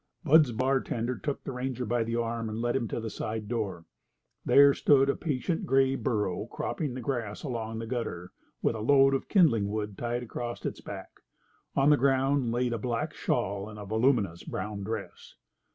Bud's bartender took the ranger by the arm and led him to the side door. There stood a patient grey burro cropping the grass along the gutter, with a load of kindling wood tied across its back. On the ground lay a black shawl and a voluminous brown dress.